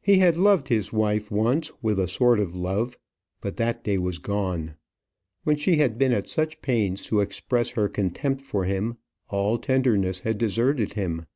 He had loved his wife once with a sort of love; but that day was gone. When she had been at such pains to express her contempt for him, all tenderness had deserted him.